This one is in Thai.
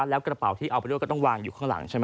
แล้วกระเป๋าที่เอาไปด้วยก็ต้องวางอยู่ข้างหลังใช่ไหม